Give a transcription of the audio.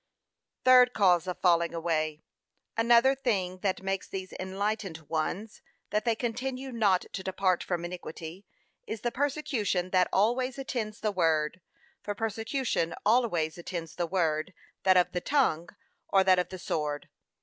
Third [Cause of falling away.] Another thing that makes these enlightened ones, that they continue not to depart from iniquity, is the persecution that always attends the word: for persecution always attends the word, that of the tongue, or that of the sword.